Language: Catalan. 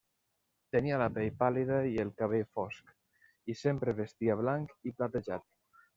Tenia la pell pàl·lida i el cabell fosc, i sempre vestia blanc i platejat.